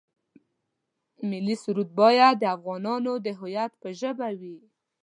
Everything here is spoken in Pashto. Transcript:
ملي سرود باید د افغانانو د هویت په ژبه وي.